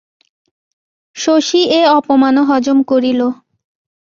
শশী এ অপমানও হজম করিল।